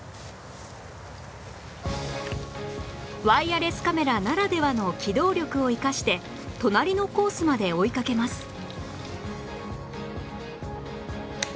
ワイヤレスカメラならではの機動力を生かして隣のコースまで追いかけます